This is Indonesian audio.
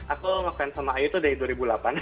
aku ngefans sama iu itu dari dua ribu delapan